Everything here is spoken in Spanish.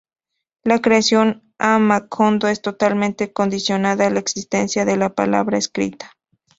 La creación de Macondo es totalmente condicionada a la existencia de la palabra escrita.